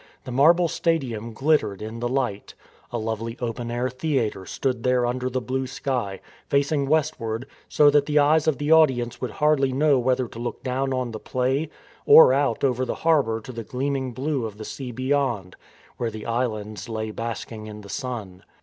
The marble stadium glittered in the light. A lovely open air theatre stood there under the blue sky, facing westward, so that the eyes of the audience would hardly know whether to look down on the play or out over the harbour to the gleaming blue of the sea beyond, where the islands lay basking in the sun.